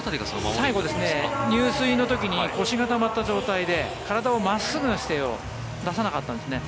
最後入水の時に腰がたまった状態で体を真っすぐな姿勢に出さなかったんですね。